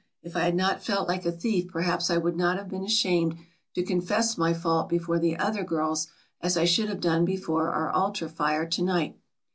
If I had not felt like a thief perhaps I would not have been ashamed to confess my fault before the other girls as I should have done before our altar fire to night.